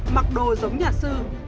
mặc đồ giống nhà sư